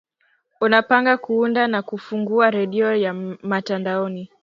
unapanga kuunda na kufungua redio ya mtandaoni